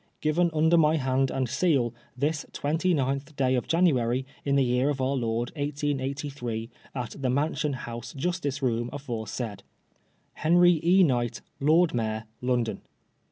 Given under my hand and seal, this 29th day of January, in the year of Our Lord, 1883, at the Man sion House Justice Boom aforesaid. " Henrt E. Knight, "Lord Mayor, London.